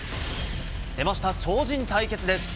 出ました、超人対決です。